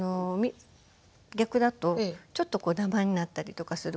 逆だとちょっとダマになったりとかすることがあるので。